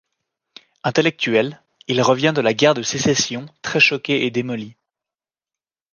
Intellectuel, il revient de la guerre de Sécession très choqué et démoli.